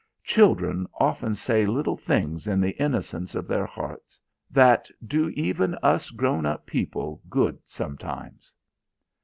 Children often say little things in the innocence of their hearts that do even us grown up people good sometimes."